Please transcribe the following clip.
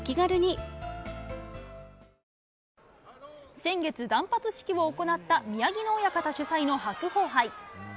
先月、断髪式を行った宮城野親方主催の白鵬杯。